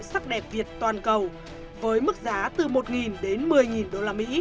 sắc đẹp việt toàn cầu với mức giá từ một đến một mươi usd